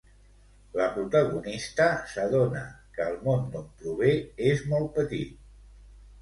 La protagonista s'adona que el món d'on prové és molt petit.